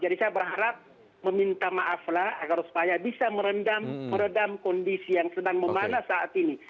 jadi saya berharap meminta maaflah agar supaya bisa merendam kondisi yang sedang memana saat ini